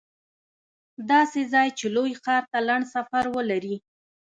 داسې ځای چې لوی ښار ته لنډ سفر ولري